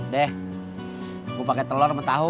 deh gue pakai telur sama tahu